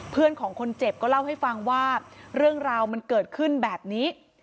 เพื่อนของคนเจ็บก็เล่าให้ฟังว่าเรื่องราวมันเกิดขึ้นแบบนี้